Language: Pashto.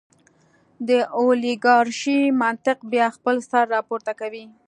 د اولیګارشۍ منطق بیا خپل سر راپورته کوي.